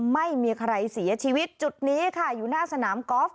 ไม่มีใครเสียชีวิตจุดนี้ค่ะอยู่หน้าสนามกอล์ฟ